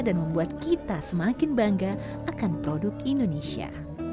dan membuat kita semakin bangga akan produk indonesia